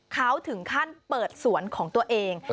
เขาถึงขั้นเปิดสวนของตัวเอง